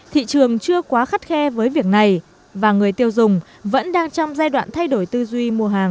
thị trường chưa quá khắt khe với việc này và người tiêu dùng vẫn đang trong giai đoạn thay đổi tư duy mua hàng